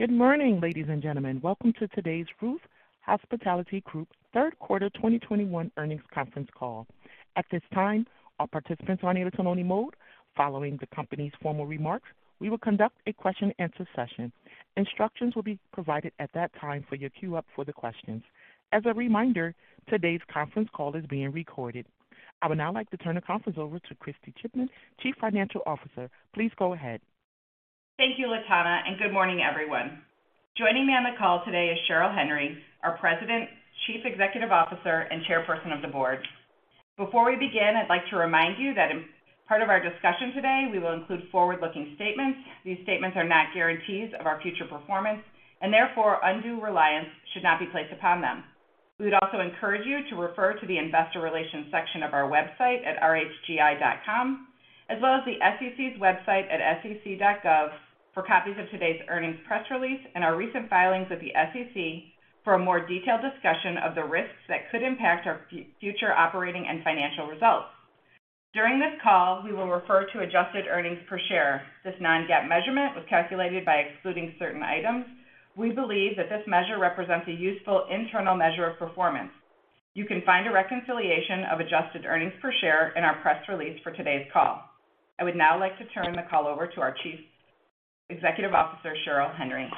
"Good morning", ladies and gentlemen. Welcome to today's Ruth’s Hospitality Group, Inc. Third quarter 2021 earnings conference call. At this time, all participants are in a listen-only mode. Following the company's formal remarks, we will conduct a question answer session. Instructions will be provided at that time for your queue up for the questions. As a reminder, today's conference call is being recorded. I would now like to turn the conference over to Kristy Chipman, Chief Financial Officer. Please go ahead. Thank you, Latanya, and good morning, everyone. Joining me on the call today is Cheryl Henry, our President, Chief Executive Officer, and Chairperson of the Board. Before we begin, I'd like to remind you that in part of our discussion today, we will include forward-looking statements. These statements are not guarantees of our future performance, and therefore, undue reliance should not be placed upon them. We would also encourage you to refer to the investor relations section of our website at rhgi.com, as well as the SEC's website at sec.gov for copies of today's earnings press release and our recent filings with the SEC for a more detailed discussion of the risks that could impact our future operating and financial results. During this call, we will refer to adjusted earnings per share. This non-GAAP measurement was calculated by excluding certain items. We believe that this measure represents a useful internal measure of performance. You can find a reconciliation of adjusted earnings per share in our press release for today's call. I would now like to turn the call over to our Chief Executive Officer, Cheryl Henry.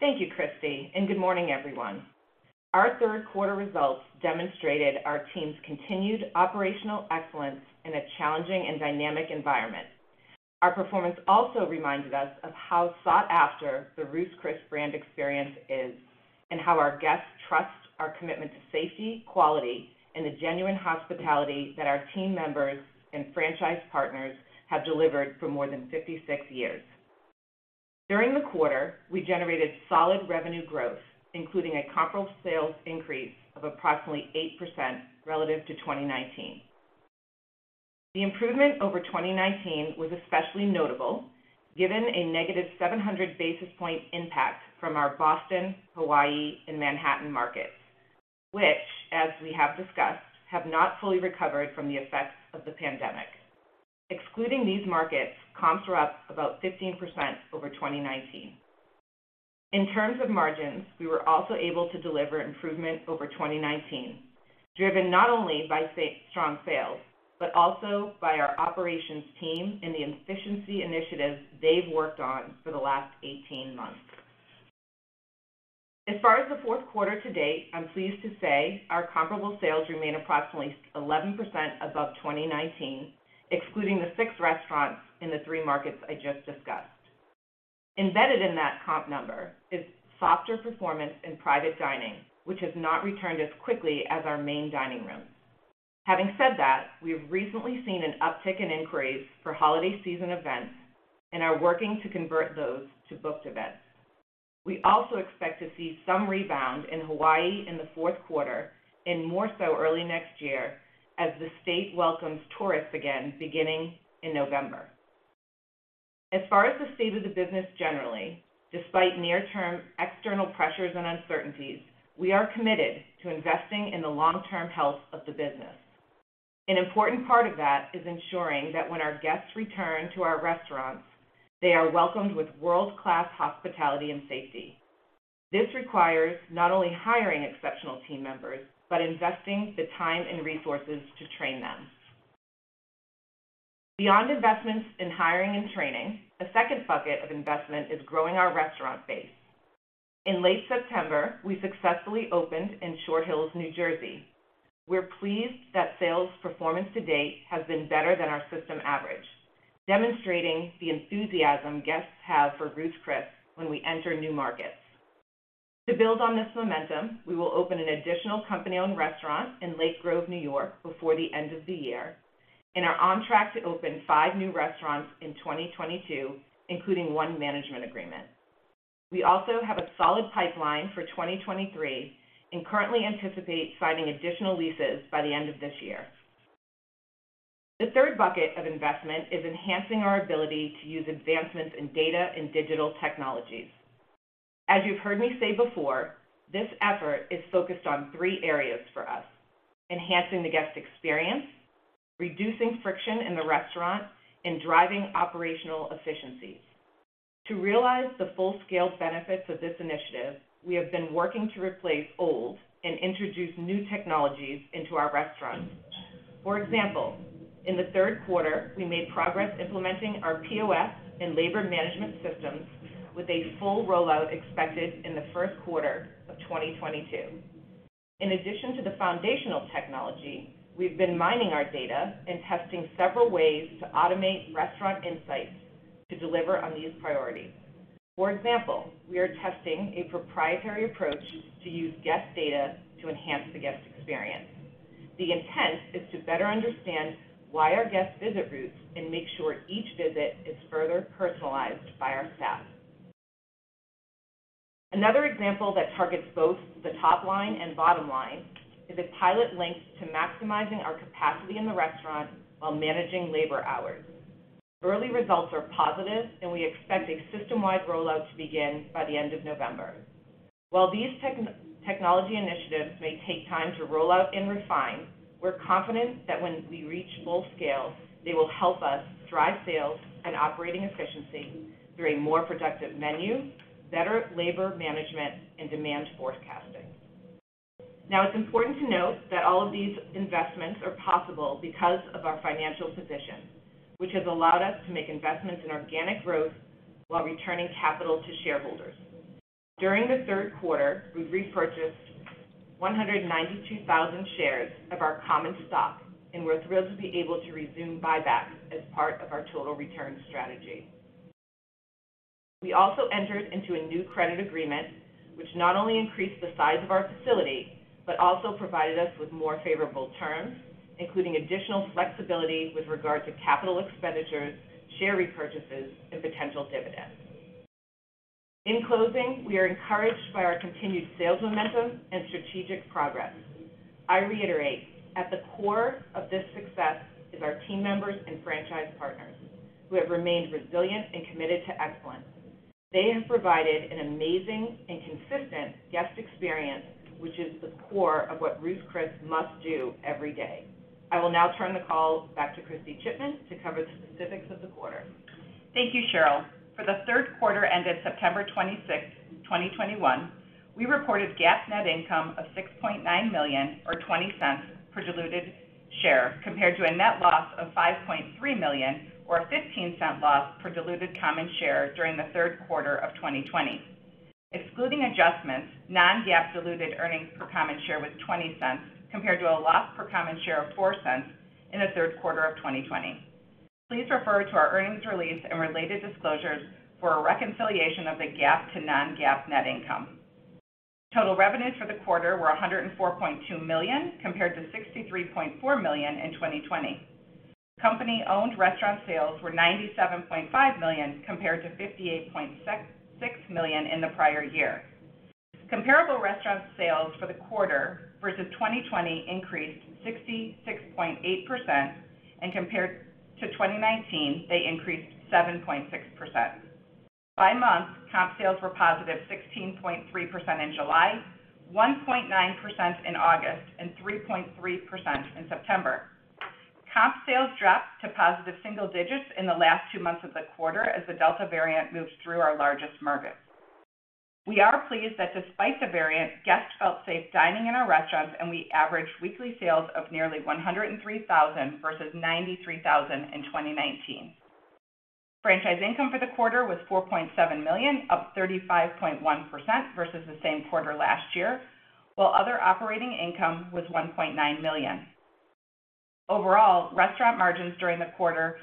Thank you, Kristy, and good morning, everyone. Our third quarter results demonstrated our team's continued operational excellence in a challenging and dynamic environment. Our performance also reminded us of how sought after the Ruth's Chris brand experience is, and how our guests trust our commitment to safety, quality, and the genuine hospitality that our team members and franchise partners have delivered for more than 56 years. During the quarter, we generated solid revenue growth, including a comparable sales increase of approximately 8% relative to 2019. The improvement over 2019 was especially notable given a negative 700 basis point impact from our Boston, Hawaii, and Manhattan markets, which, as we have discussed, have not fully recovered from the effects of the pandemic. Excluding these markets, comps were up about 15% over 2019. In terms of margins, we were also able to deliver improvement over 2019, driven not only by strong sales, but also by our operations team and the efficiency initiatives they've worked on for the last 18 months. As far as the fourth quarter to date, I'm pleased to say our comparable sales remain approximately 11% above 2019, excluding the six restaurants in the three markets I just discussed. Embedded in that comp number is softer performance in private dining, which has not returned as quickly as our main dining rooms. Having said that, we have recently seen an uptick in inquiries for holiday season events and are working to convert those to booked events. We also expect to see some rebound in Hawaii in the fourth quarter and more so early next year as the state welcomes tourists again beginning in November. As far as the state of the business generally, despite near-term external pressures and uncertainties, we are committed to investing in the long-term health of the business. An important part of that is ensuring that when our guests return to our restaurants, they are welcomed with world-class hospitality and safety. This requires not only hiring exceptional team members, but investing the time and resources to train them. Beyond investments in hiring and training, a second bucket of investment is growing our restaurant base. In late September, we successfully opened in Short Hills, New Jersey. We're pleased that sales performance to date has been better than our system average, demonstrating the enthusiasm guests have for Ruth's Chris when we enter new markets. To build on this momentum, we will open an additional company-owned restaurant in Lake Grove, New York before the end of the year, and are on track to open five new restaurants in 2022, including one management agreement. We also have a solid pipeline for 2023 and currently anticipate signing additional leases by the end of this year. The third bucket of investment is enhancing our ability to use advancements in data and digital technologies. As you've heard me say before, this effort is focused on three areas for us: enhancing the guest experience, reducing friction in the restaurant, and driving operational efficiencies. To realize the full-scale benefits of this initiative, we have been working to replace old and introduce new technologies into our restaurants. For example, in the third quarter, we made progress implementing our POS and labor management systems with a full rollout expected in the first quarter of 2022. In addition to the foundational technology, we've been mining our data and testing several ways to automate restaurant insights to deliver on these priorities. For example, we are testing a proprietary approach to use guest data to enhance the guest experience. The intent is to better understand why our guests visit Ruth's and make sure each visit is further personalized by our staff. Another example that targets both the top line and bottom line is a pilot linked to maximizing our capacity in the restaurant while managing labor hours. Early results are positive, and we expect a system-wide rollout to begin by the end of November. While these technology initiatives may take time to roll out and refine, we're confident that when we reach full scale, they will help us drive sales and operating efficiency through a more productive menu, better labor management, and demand forecasting. Now, it's important to note that all of these investments are possible because of our financial position, which has allowed us to make investments in organic growth while returning capital to shareholders. During the third quarter, we repurchased 192,000 shares of our common stock, and we're thrilled to be able to resume buybacks as part of our total return strategy. We also entered into a new credit agreement which not only increased the size of our facility, but also provided us with more favorable terms, including additional flexibility with regard to capital expenditures, share repurchases, and potential dividends. In closing, we are encouraged by our continued sales momentum and strategic progress. I reiterate, at the core of this success is our team members and franchise partners who have remained resilient and committed to excellence. They have provided an amazing and consistent guest experience, which is the core of what Ruth's Chris must do every day. I will now turn the call back to Kristy Chipman to cover the specifics of the quarter. Thank you, Cheryl. For the third quarter ended September 26, 2021, we reported GAAP net income of $6.9 million or $0.20 per diluted share, compared to a net loss of $5.3 million or a $0.15 loss per diluted common share during the third quarter of 2020. Excluding adjustments, non-GAAP diluted earnings per common share was $0.20 compared to a loss per common share of $0.04 in the third quarter of 2020. Please refer to our earnings release and related disclosures for a reconciliation of the GAAP to non-GAAP net income. Total revenues for the quarter were $104.2 million, compared to $63.4 million in 2020. Company-owned restaurant sales were $97.5 million compared to $58.66 million in the prior year. Comparable restaurant sales for the quarter versus 2020 increased 66.8%, and compared to 2019, they increased 7.6%. By month, comp sales were positive 16.3% in July, 1.9% in August, and 3.3% in September. Comp sales dropped to positive single digits in the last two months of the quarter as the Delta variant moved through our largest markets. We are pleased that despite the variant, guests felt safe dining in our restaurants, and we averaged weekly sales of nearly $103,000 versus $93,000 in 2019. Franchise income for the quarter was $4.7 million, up 35.1% versus the same quarter last year, while other operating income was $1.9 million. Overall, restaurant margins during the quarter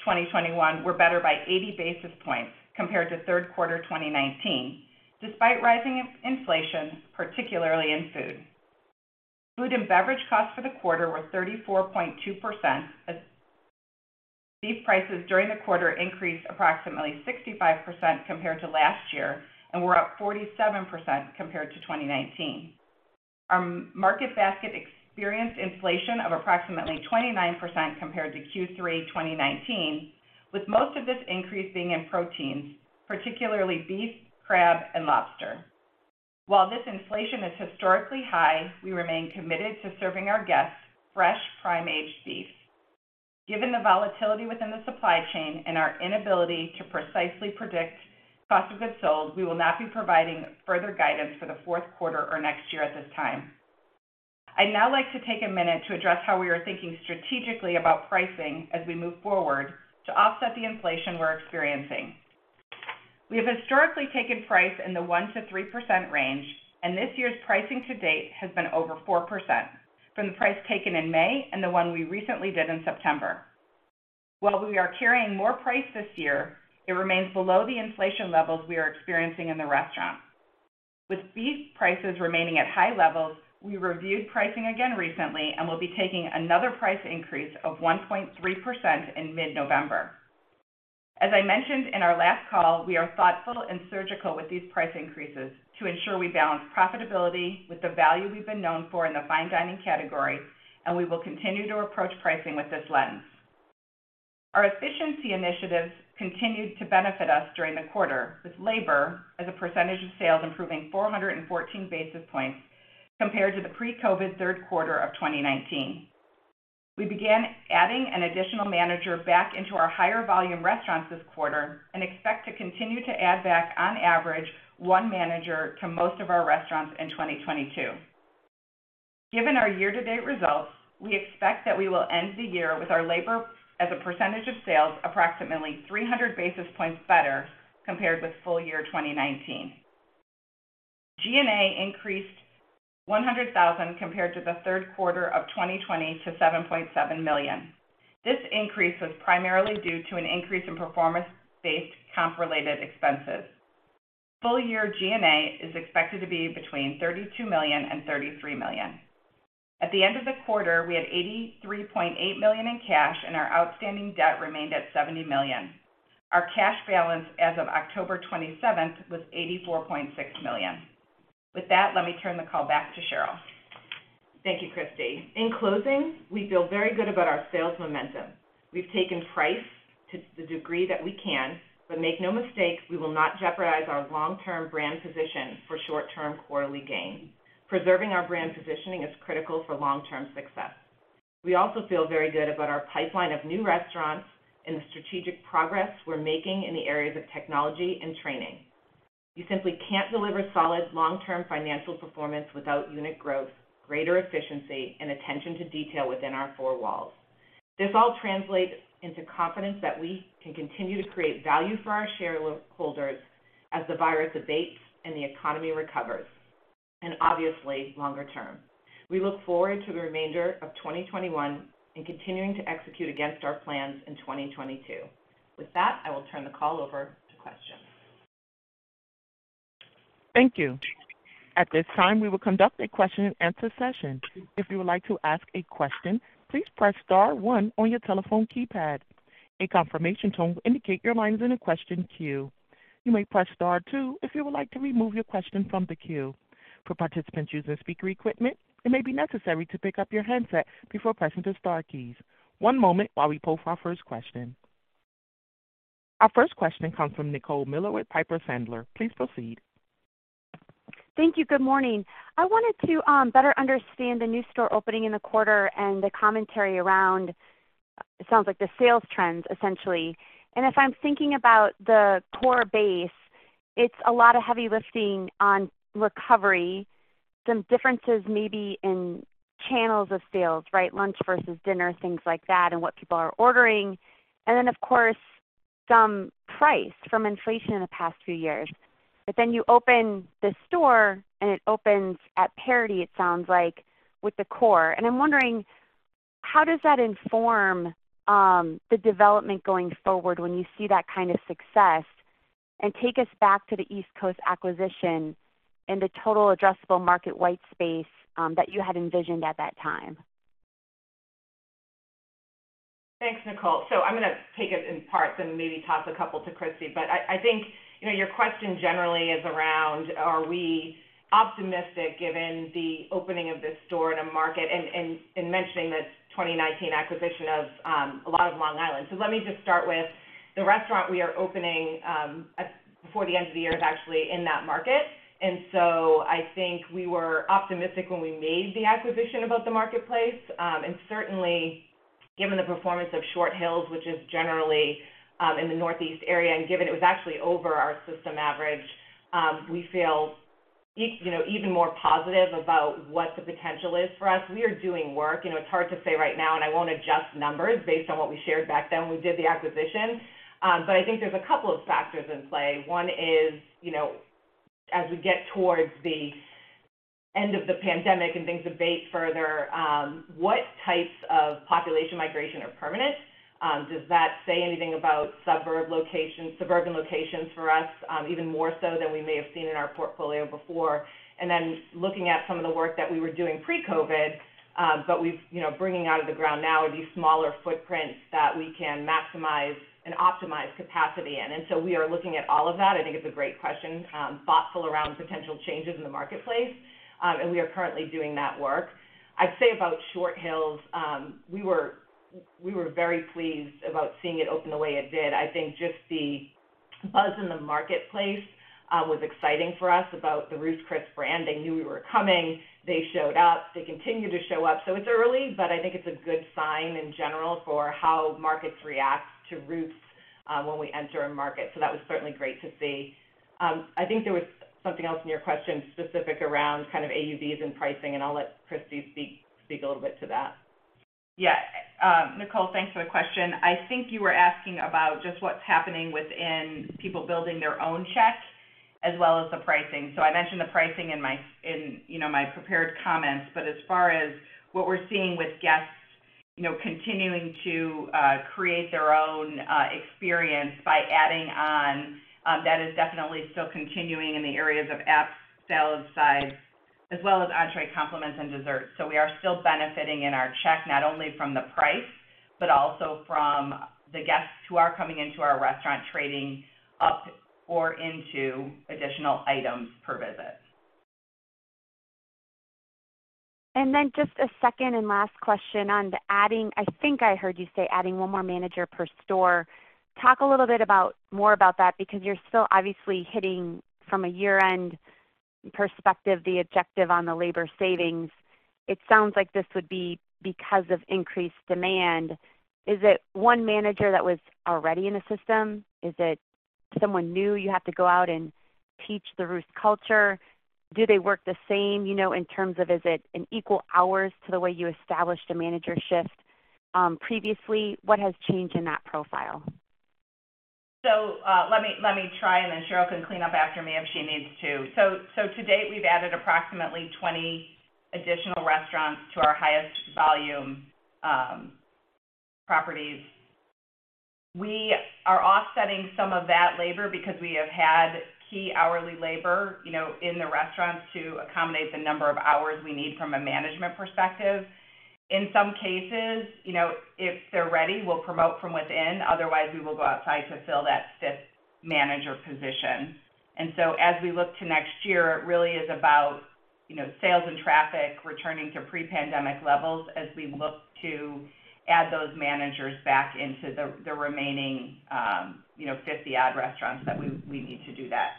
2021 were better by 80 basis points compared to third quarter 2019, despite rising inflation, particularly in food. Food and beverage costs for the quarter were 34.2% as beef prices during the quarter increased approximately 65% compared to last year and were up 47% compared to 2019. Our Market Basket experienced inflation of approximately 29% compared to Q3 2019, with most of this increase being in proteins, particularly beef, crab, and lobster. While this inflation is historically high, we remain committed to serving our guests fresh, prime-aged beef. Given the volatility within the supply chain and our inability to precisely predict cost of goods sold, we will not be providing further guidance for the fourth quarter or next year at this time. I'd now like to take a minute to address how we are thinking strategically about pricing as we move forward to offset the inflation we're experiencing. We have historically taken price in the 1%-3% range, and this year's pricing to date has been over 4% from the price taken in May and the one we recently did in September. While we are carrying more price this year, it remains below the inflation levels we are experiencing in the restaurant. With beef prices remaining at high levels, we reviewed pricing again recently and will be taking another price increase of 1.3% in mid-November. As I mentioned in our last call, we are thoughtful and surgical with these price increases to ensure we balance profitability with the value we've been known for in the fine dining category, and we will continue to approach pricing with this lens. Our efficiency initiatives continued to benefit us during the quarter, with labor as a percentage of sales improving 414 basis points compared to the pre-COVID third quarter of 2019. We began adding an additional manager back into our higher volume restaurants this quarter and expect to continue to add back, on average, one manager to most of our restaurants in 2022. Given our year-to-date results, we expect that we will end the year with our labor as a percentage of sales approximately 300 basis points better compared with full year 2019. G&A increased $100,000 compared to the third quarter of 2020 to $7.7 million. This increase was primarily due to an increase in performance-based comp-related expenses. Full year G&A is expected to be between $32 million and $33 million. At the end of the quarter, we had $83.8 million in cash, and our outstanding debt remained at $70 million. Our cash balance as of October 27th was $84.6 million. With that, let me turn the call back to Cheryl. Thank you, Christie. In closing, we feel very good about our sales momentum. We've taken price to the degree that we can, but make no mistake, we will not jeopardize our long-term brand position for short-term quarterly gain. Preserving our brand positioning is critical for long-term success. We also feel very good about our pipeline of new restaurants and the strategic progress we're making in the areas of technology and training. You simply can't deliver solid long-term financial performance without unit growth, greater efficiency, and attention to detail within our four walls. This all translates into confidence that we can continue to create value for our shareholders as the virus abates and the economy recovers, and obviously longer term. We look forward to the remainder of 2021 and continuing to execute against our plans in 2022. With that, I will turn the call over to questions. Thank you. At this time, we will conduct a question and answer session. If you would like to ask a question, please press star one on your telephone keypad. A confirmation tone will indicate your line is in a question queue. You may press star two if you would like to remove your question from the queue. For participants using speaker equipment, it may be necessary to pick up your handset before pressing the star keys. One moment while we poll for our first question. Our first question comes from Nicole Miller Regan with Piper Sandler. Please proceed. Thank you. Good morning. I wanted to better understand the new store opening in the quarter and the commentary around it sounds like the sales trends, essentially. If I'm thinking about the core base, it's a lot of heavy lifting on recovery. Some differences maybe in channels of sales, right? Lunch versus dinner, things like that, and what people are ordering. Then of course, some price from inflation in the past few years. Then you open the store and it opens at parity, it sounds like, with the core. I'm wondering how does that inform the development going forward when you see that kind of success? Take us back to the East Coast acquisition and the total addressable market white space that you had envisioned at that time. Thanks, Nicole. I'm going to take it in parts and maybe toss a couple to Christie. I think, you know, your question generally is around, are we optimistic given the opening of this store in a market and mentioning this 2019 acquisition of a location on Long Island. Let me just start with the restaurant we are opening before the end of the year is actually in that market. I think we were optimistic when we made the acquisition about the marketplace. Certainly given the performance of Short Hills, which is generally in the Northeast area, and given it was actually over our system average, we feel, you know, even more positive about what the potential is for us. We are doing work. You know, it's hard to say right now, and I won't adjust numbers based on what we shared back then when we did the acquisition. I think there's a couple of factors in play. One is, you know, as we get towards the end of the pandemic and things abate further, what types of population migration are permanent? Does that say anything about suburban locations for us, even more so than we may have seen in our portfolio before? Looking at some of the work that we were doing pre-COVID, but we've, you know, bringing out of the ground now these smaller footprints that we can maximize and optimize capacity in. We are looking at all of that. I think it's a great question, thoughtful around potential changes in the marketplace. We are currently doing that work. I'd say about Short Hills, we were very pleased about seeing it open the way it did. I think just the buzz in the marketplace was exciting for us about the Ruth's Chris brand. They knew we were coming. They showed up. They continued to show up. It's early, but I think it's a good sign in general for how markets react to Ruth's when we enter a market. That was certainly great to see. I think there was something else in your question specific around kind of AUVs and pricing, and I'll let Kristy speak a little bit to that. Yeah. Nicole, thanks for the question. I think you were asking about just what's happening within people building their own check as well as the pricing. I mentioned the pricing in my, you know, my prepared comments. As far as what we're seeing with guests, you know, continuing to create their own experience by adding on, that is definitely still continuing in the areas of app, salad, sides, as well as entree compliments and desserts. We are still benefiting in our check, not only from the price, but also from the guests who are coming into our restaurant trading up or into additional items per visit. Just a second and last question on the adding. I think I heard you say adding one more manager per store. Talk a little bit more about that because you're still obviously hitting from a year-end perspective, the objective on the labor savings. It sounds like this would be because of increased demand. Is it one manager that was already in the system? Is it someone new you have to go out and teach the Ruth's culture? Do they work the same, you know, in terms of is it an equal hours to the way you established a manager shift, previously? What has changed in that profile? Let me try and then Cheryl can clean up after me if she needs to. To date, we've added approximately 20 additional restaurants to our highest volume properties. We are offsetting some of that labor because we have had key hourly labor, you know, in the restaurants to accommodate the number of hours we need from a management perspective. In some cases, you know, if they're ready, we'll promote from within. Otherwise, we will go outside to fill that fifth manager position. As we look to next year, it really is about, you know, sales and traffic returning to pre-pandemic levels as we look to add those managers back into the remaining, you know, 50-odd restaurants that we need to do that.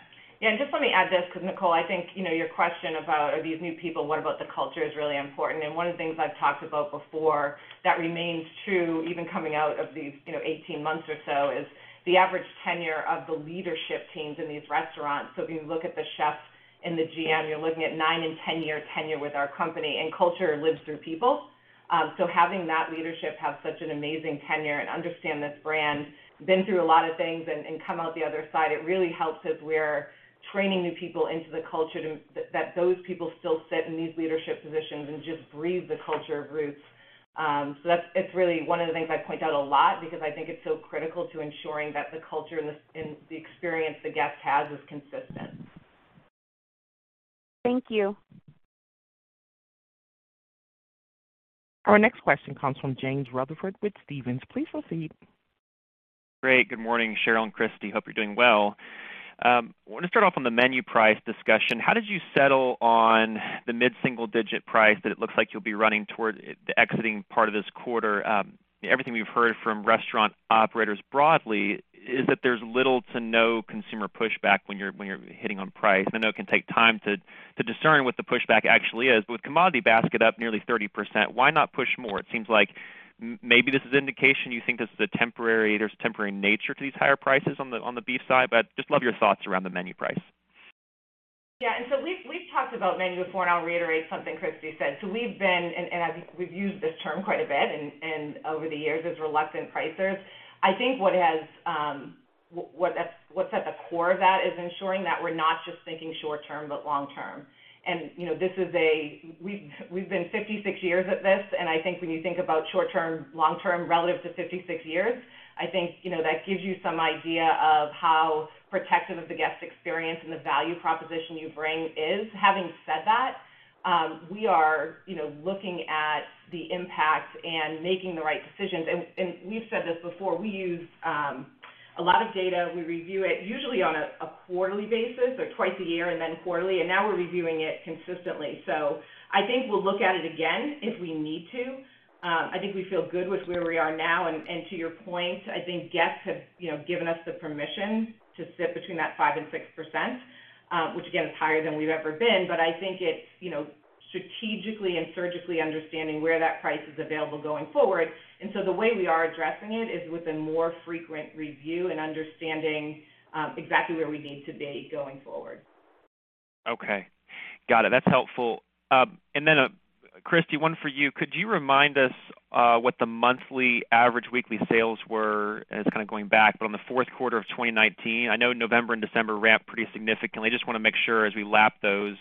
Yeah, just let me add this because Nicole, I think, you know, your question about are these new people, what about the culture is really important. One of the things I've talked about before that remains true, even coming out of these, you know, 18 months or so, is the average tenure of the leadership teams in these restaurants. If you look at the chefs and the GM, you're looking at 9- and 10-year tenure with our company, and culture lives through people. Having that leadership have such an amazing tenure and understand this brand, been through a lot of things and come out the other side, it really helps as we're training new people into the culture to that those people still sit in these leadership positions and just breathe the culture of Ruth's. That's really one of the things I point out a lot because I think it's so critical to ensuring that the culture and the experience the guest has is consistent. Thank you. Our next question comes from James Rutherford with Stephens. Please proceed. Great. Good morning, Cheryl and Kristy. Hope you're doing well. I wanna start off on the menu price discussion. How did you settle on the mid-single digit price that it looks like you'll be running toward the exiting part of this quarter? Everything we've heard from restaurant operators broadly is that there's little to no consumer pushback when you're hitting on price. I know it can take time to discern what the pushback actually is. With commodity basket up nearly 30%, why not push more? It seems like maybe this is indication you think this is a temporary nature to these higher prices on the beef side. But just love your thoughts around the menu price. Yeah. We've talked about menu before, and I'll reiterate something Kristy said. We've been and we've used this term quite a bit over the years is reluctant pricers. I think what's at the core of that is ensuring that we're not just thinking short term, but long term. You know, this is. We've been 56 years at this, and I think when you think about short term, long term relative to 56 years, I think, you know, that gives you some idea of how protective of the guest experience and the value proposition you bring is. Having said that, we are, you know, looking at the impact and making the right decisions. We've said this before, we use a lot of data. We review it usually on a quarterly basis or twice a year and then quarterly, and now we're reviewing it consistently. I think we'll look at it again if we need to. I think we feel good with where we are now. To your point, I think guests have, you know, given us the permission to sit between that 5%-6%, which again, is higher than we've ever been. I think it's, you know, strategically and surgically understanding where that price is available going forward. The way we are addressing it is with a more frequent review and understanding exactly where we need to be going forward. Okay. Got it. That's helpful. Kristy, one for you. Could you remind us what the monthly average weekly sales were as kind of going back, but on the fourth quarter of 2019? I know November and December ramped pretty significantly. Just wanna make sure as we lap those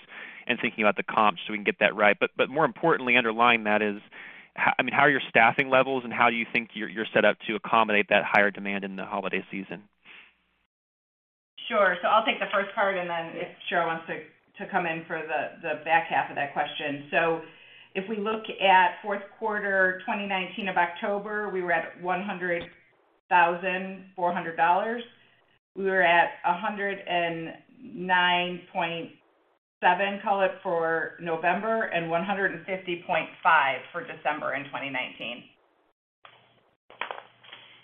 and thinking about the comps so we can get that right. But more importantly, underlying that is how are your staffing levels and how do you think you're set up to accommodate that higher demand in the holiday season? Sure. I'll take the first part, and then if Cheryl wants to come in for the back half of that question. If we look at fourth quarter 2019 of October, we were at $100,400. We were at $109.7, call it, for November and $150.5 for December in 2019.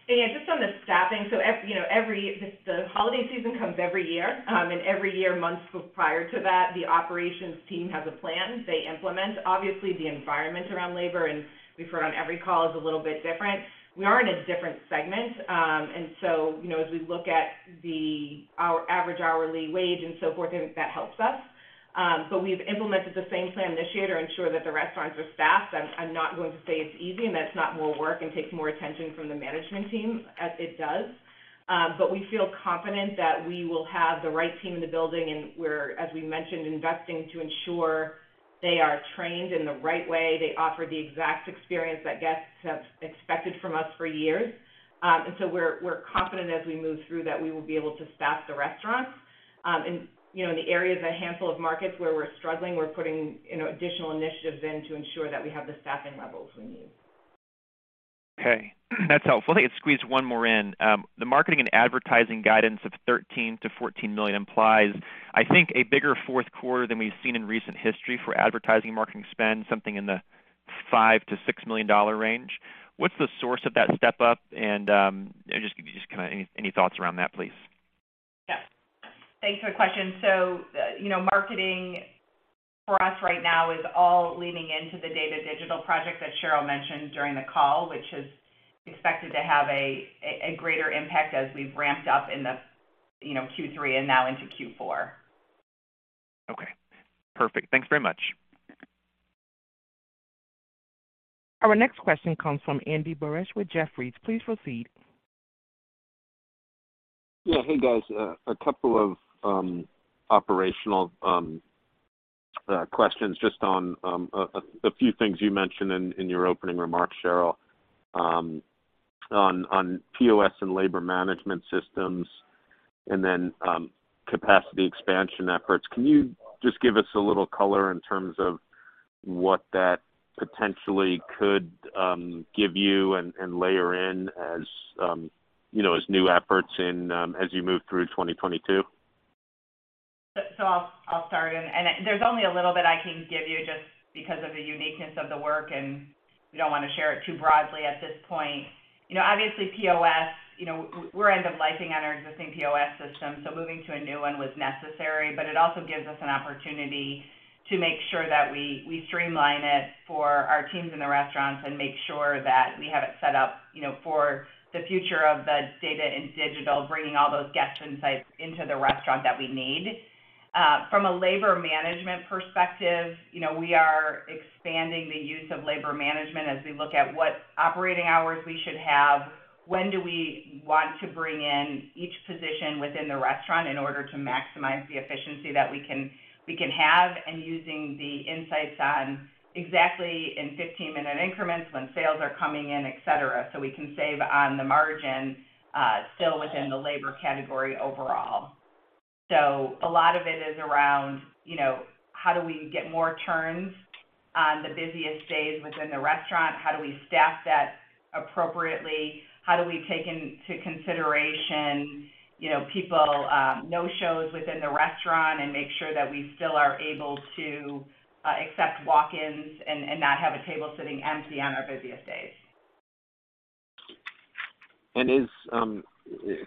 Yeah, just on the staffing. You know, the holiday season comes every year. Every year, months prior to that, the operations team has a plan they implement. Obviously, the environment around labor, and we've heard on every call, is a little bit different. We are in a different segment. You know, as we look at our average hourly wage and so forth, that helps us. We've implemented the same plan this year to ensure that the restaurants are staffed. I'm not going to say it's easy and that it's not more work and takes more attention from the management team, as it does. We feel confident that we will have the right team in the building, and we're, as we mentioned, investing to ensure they are trained in the right way. They offer the exact experience that guests have expected from us for years. We're confident as we move through that we will be able to staff the restaurants. You know, in the areas, a handful of markets where we're struggling, we're putting you know, additional initiatives in to ensure that we have the staffing levels we need. Okay. That's helpful. I think I can squeeze one more in. The marketing and advertising guidance of $13 million-$14 million implies, I think, a bigger fourth quarter than we've seen in recent history for advertising marketing spend, something in the $5 million-$6 million range. What's the source of that step up? Just kinda any thoughts around that, please? Yeah. Thanks for the question. You know, marketing for us right now is all leaning into the data digital project that Cheryl mentioned during the call, which is expected to have a greater impact as we've ramped up in the, you know, Q3 and now into Q4. Okay. Perfect. Thanks very much. Our next question comes from Andy Barish with Jefferies. Please proceed. Yeah. Hey, guys. A couple of operational questions just on a few things you mentioned in your opening remarks, Cheryl, on POS and labor management systems. Capacity expansion efforts. Can you just give us a little color in terms of what that potentially could give you and layer in as, you know, as new efforts in as you move through 2022? I'll start. There's only a little bit I can give you just because of the uniqueness of the work, and we don't wanna share it too broadly at this point. You know, obviously POS, you know, we're end of lifing on our existing POS system, so moving to a new one was necessary. It also gives us an opportunity to make sure that we streamline it for our teams in the restaurants and make sure that we have it set up, you know, for the future of the data and digital, bringing all those guest insights into the restaurant that we need. From a labor management perspective, you know, we are expanding the use of labor management as we look at what operating hours we should have, when do we want to bring in each position within the restaurant in order to maximize the efficiency that we can have, and using the insights on exactly in 15-minute increments when sales are coming in, et cetera, so we can save on the margin, still within the labor category overall. A lot of it is around, you know, how do we get more turns on the busiest days within the restaurant? How do we staff that appropriately? How do we take into consideration, you know, people, no shows within the restaurant and make sure that we still are able to accept walk-ins and not have a table sitting empty on our busiest days.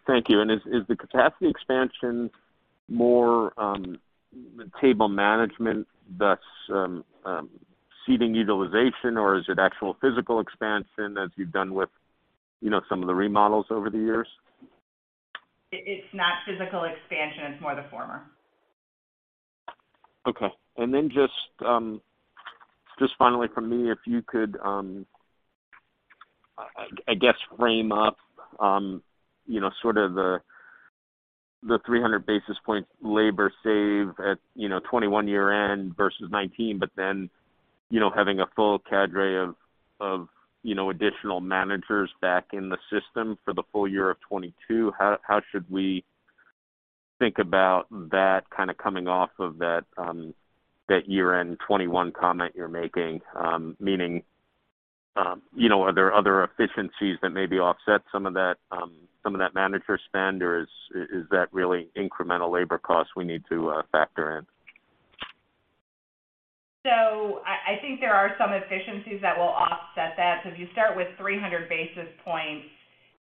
Thank you. Is the capacity expansion more table management, thus seating utilization, or is it actual physical expansion as you've done with, you know, some of the remodels over the years? It's not physical expansion, it's more the former. Okay. Just finally from me, if you could, I guess, frame up, you know, sort of the 300 basis points labor save at, you know, 2021 year-end versus 2019, but then, you know, having a full cadre of, you know, additional managers back in the system for the full year of 2022. How should we think about that kind of coming off of that year-end 2021 comment you're making? Meaning, you know, are there other efficiencies that maybe offset some of that manager spend, or is that really incremental labor costs we need to factor in? I think there are some efficiencies that will offset that. If you start with 300 basis points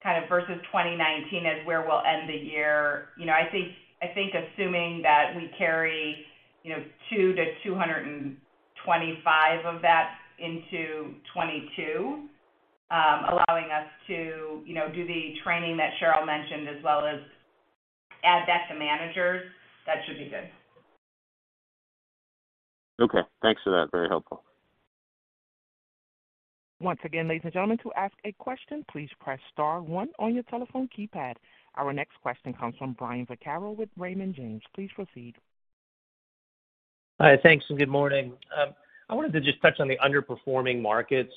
kind of versus 2019 as where we'll end the year, you know, I think assuming that we carry, you know, 200-225 of that into 2022, allowing us to, you know, do the training that Cheryl mentioned as well as add that to managers, that should be good. Okay. Thanks for that. Very helpful. Once again, ladies and gentlemen, to ask a question, please press star one on your telephone keypad. Our next question comes from Brian Vaccaro with Raymond James. Please proceed. Hi. Thanks, and good morning. I wanted to just touch on the underperforming markets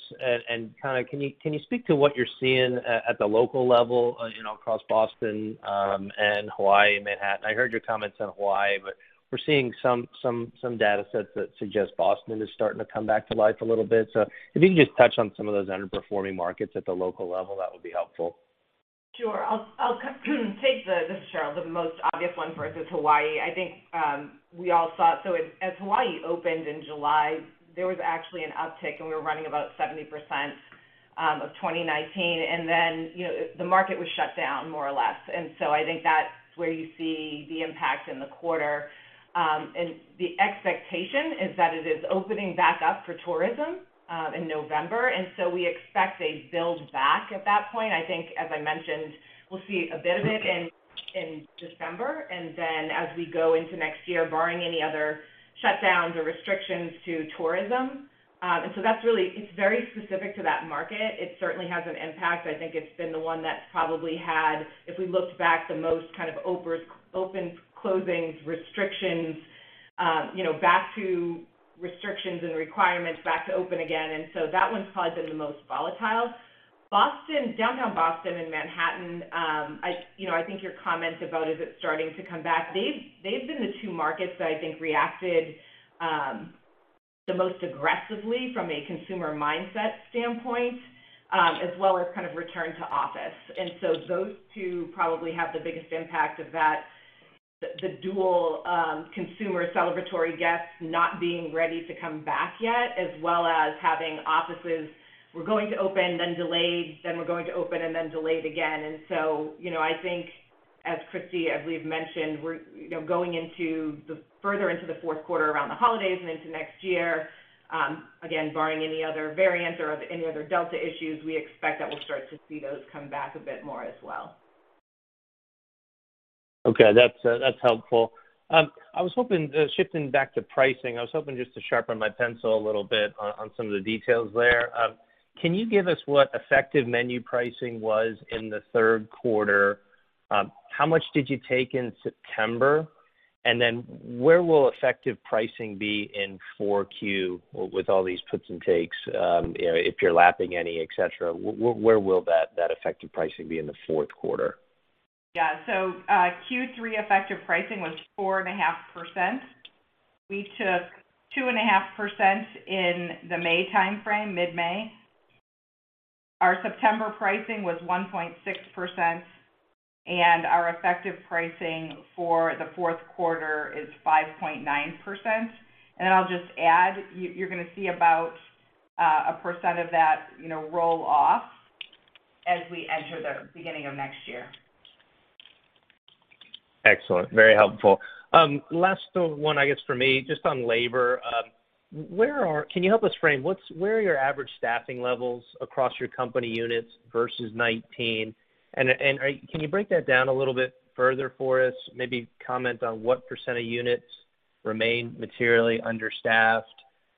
and kind of can you speak to what you're seeing at the local level, you know, across Boston, and Hawaii and Manhattan? I heard your comments on Hawaii, but we're seeing some data sets that suggest Boston is starting to come back to life a little bit. If you can just touch on some of those underperforming markets at the local level, that would be helpful. Sure. I'll take this. This is Cheryl, the most obvious one versus Hawaii. I think, we all saw it. As Hawaii opened in July, there was actually an uptick, and we were running about 70% of 2019. You know, the market was shut down more or less. I think that's where you see the impact in the quarter. The expectation is that it is opening back up for tourism in November, and we expect a build back at that point. I think, as I mentioned, we'll see a bit of it in December. As we go into next year, barring any other shutdowns or restrictions to tourism. That's really. It's very specific to that market. It certainly has an impact. I think it's been the one that's probably had, if we looked back, the most kind of opens, closings, restrictions, you know, back to restrictions and requirements back to open again. That one's probably been the most volatile. Boston, downtown Boston and Manhattan, you know, I think your comments about is it starting to come back, they've been the two markets that I think reacted the most aggressively from a consumer mindset standpoint, as well as kind of return to office. Those two probably have the biggest impact of that, the dual consumer celebratory guests not being ready to come back yet, as well as having offices were going to open, then delayed, then were going to open and then delayed again. You know, I think as Kristy, as we've mentioned, we're, you know, going further into the fourth quarter around the holidays and into next year, again, barring any other variants or any other Delta issues, we expect that we'll start to see those come back a bit more as well. Okay. That's helpful. Shifting back to pricing, I was hoping just to sharpen my pencil a little bit on some of the details there. Can you give us what effective menu pricing was in the third quarter? How much did you take in September? Where will effective pricing be in Q4 with all these puts and takes, if you're lapping any, et cetera? Yeah. Q3 effective pricing was 4.5%. We took 2.5% in the May timeframe, mid-May. Our September pricing was 1.6%, and our effective pricing for the fourth quarter is 5.9%. I'll just add, you're gonna see about 1% of that, you know, roll off as we enter the beginning of next year. Excellent. Very helpful. Last one, I guess, from me, just on labor. Can you help us frame where your average staffing levels across your company units versus 2019? And can you break that down a little bit further for us? Maybe comment on what % of units remain materially understaffed,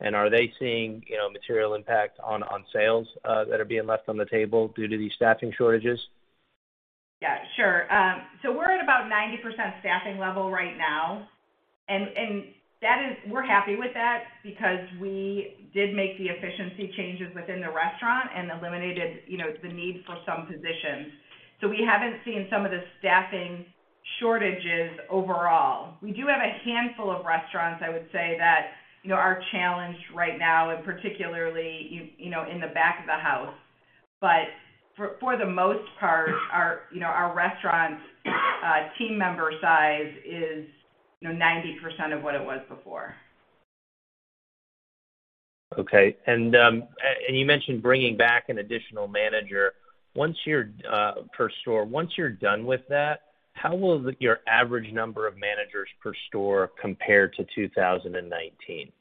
and are they seeing, you know, material impact on sales that are being left on the table due to these staffing shortages? Yeah, sure. We're at about 90% staffing level right now, and that is—we're happy with that because we did make the efficiency changes within the restaurant and eliminated, you know, the need for some positions. We haven't seen some of the staffing shortages overall. We do have a handful of restaurants, I would say that, you know, are challenged right now, and particularly, you know, in the back of the house. For the most part, our restaurants' team member size is, you know, 90% of what it was before. Okay. You mentioned bringing back an additional manager once you're one per store. Once you're done with that, how will your average number of managers per store compare to 2019?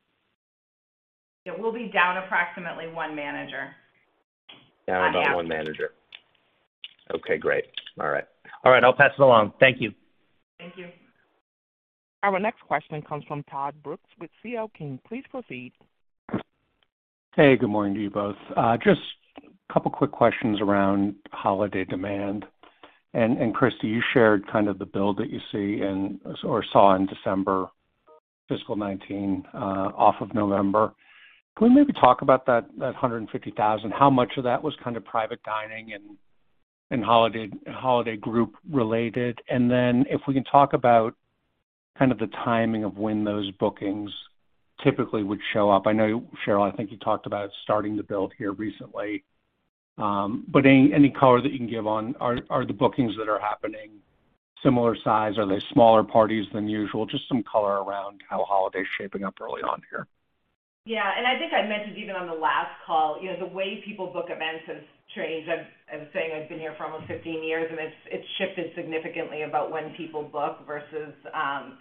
It will be down approximately one manager. Down about one manager. Okay, great. All right. All right, I'll pass it along. Thank you. Thank you. Our next question comes from Todd Brooks with C.L. King. Please proceed. Hey, good morning to you both. Just a couple quick questions around holiday demand. Christie, you shared kind of the build that you see and/or saw in December fiscal 2019, off of November. Can we maybe talk about that 150,000? How much of that was kind of private dining and holiday group related? If we can talk about kind of the timing of when those bookings typically would show up. I know, Cheryl, I think you talked about starting the build here recently, but any color that you can give on are the bookings that are happening similar size? Are they smaller parties than usual? Just some color around how holiday is shaping up early on here. Yeah. I think I mentioned even on the last call, you know, the way people book events has changed. I've been here for almost 15 years, and it's shifted significantly about when people book versus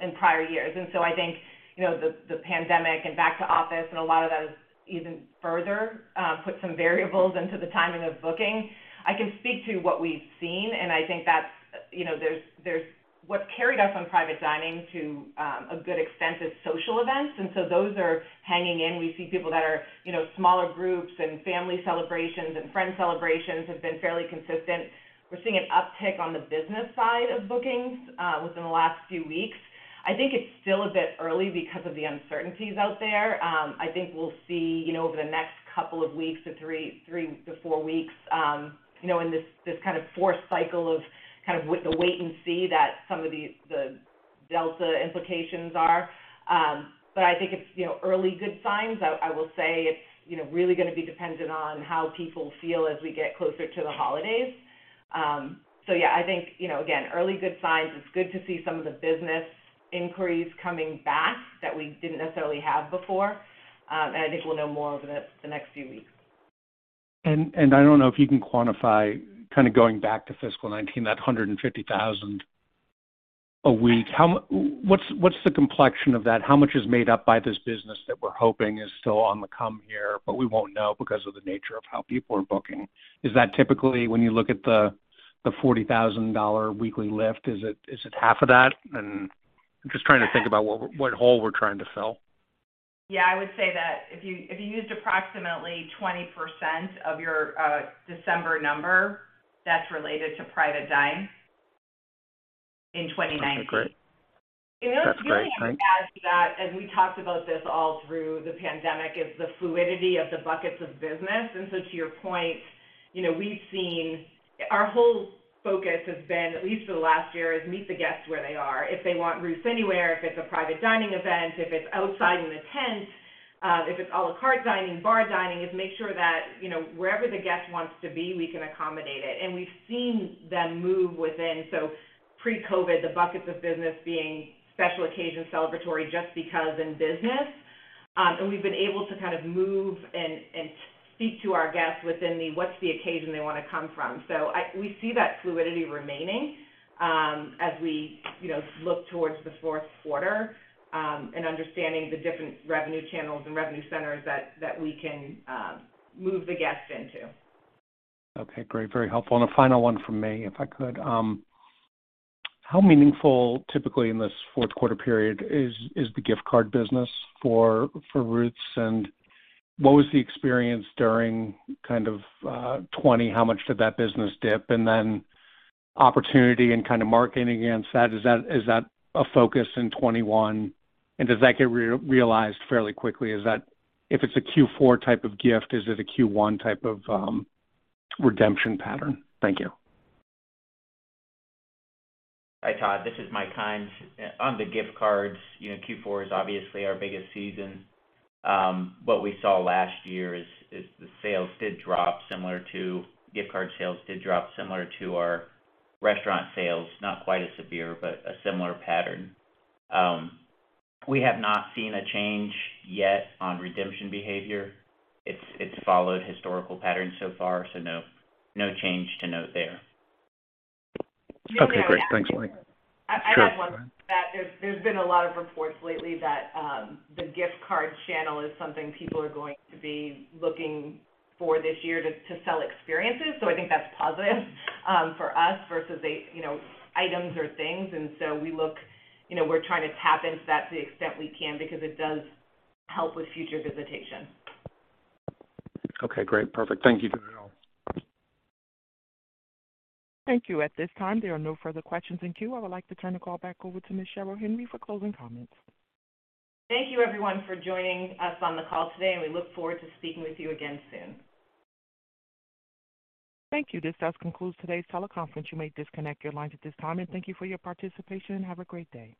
in prior years. I think, you know, the pandemic and back to office and a lot of that has even further put some variables into the timing of booking. I can speak to what we've seen, and I think that's what carried us on private dining to a good extent is social events, and those are hanging in. We see people that are, you know, smaller groups and family celebrations and friend celebrations have been fairly consistent. We're seeing an uptick on the business side of bookings within the last few weeks. I think it's still a bit early because of the uncertainties out there. I think we'll see, you know, over the next couple of weeks to 3 to 4 weeks, you know, in this kind of forced cycle of kind of the wait and see that some of the Delta implications are. I think it's, you know, early good signs. I will say it's, you know, really gonna be dependent on how people feel as we get closer to the holidays. Yeah, I think, you know, again, early good signs. It's good to see some of the business inquiries coming back that we didn't necessarily have before. I think we'll know more over the next few weeks. I don't know if you can quantify kind of going back to fiscal 2019, that $150,000 a week. What's the complexion of that? How much is made up by this business that we're hoping is still on the come here, but we won't know because of the nature of how people are booking? Is that typically, when you look at the $40,000 weekly lift, is it half of that? I'm just trying to think about what hole we're trying to fill. Yeah. I would say that if you used approximately 20% of your December number, that's related to private dining in 2019. Okay, great. That's great. Thanks. The only thing I'd add to that, as we talked about this all through the pandemic, is the fluidity of the buckets of business. To your point, you know, we've seen our whole focus has been, at least for the last year, is meet the guests where they are. If they want Ruth's anywhere, if it's a private dining event, if it's outside in a tent, if it's à la carte dining, bar dining, is make sure that, you know, wherever the guest wants to be, we can accommodate it. We've seen them move within. Pre-COVID, the buckets of business being special occasion, celebratory, just because in business. We've been able to kind of move and speak to our guests within the what's the occasion they wanna come from. We see that fluidity remaining, as we, you know, look towards the fourth quarter, and understanding the different revenue channels and revenue centers that we can move the guests into. Okay, great. Very helpful. A final one from me, if I could. How meaningful, typically in this fourth quarter period, is the gift card business for Ruth's? What was the experience during kind of 2020? How much did that business dip? Then opportunity and kind of marketing against that, is that a focus in 2021? Does that get re-realized fairly quickly? If it's a Q4 type of gift, is it a Q1 type of redemption pattern? Thank you. Hi, Todd. This is Mike Hynes. On the gift cards, you know, Q4 is obviously our biggest season. What we saw last year is the gift card sales did drop similar to our restaurant sales. Not quite as severe, but a similar pattern. We have not seen a change yet on redemption behavior. It's followed historical patterns so far, so no change to note there. Okay, great. Thanks, Mike. I have one. There's been a lot of reports lately that the gift card channel is something people are going to be looking for this year to sell experiences. I think that's positive for us versus, you know, items or things. You know, we're trying to tap into that to the extent we can because it does help with future visitation. Okay, great. Perfect. Thank you to you all. Thank you. At this time, there are no further questions in queue. I would like to turn the call back over to Ms. Cheryl Henry for closing comments. Thank you everyone for joining us on the call today, and we look forward to speaking with you again soon. Thank you. This does conclude today's teleconference. You may disconnect your lines at this time, and thank you for your participation, and have a great day.